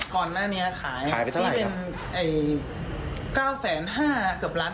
ก่อนหน้านี้ขายที่เป็น๙๕๐๐๐๐บาทเกือบล้าน๙๗๐๐๐๐บาทหรือ๙๕๐๐๐๐บาท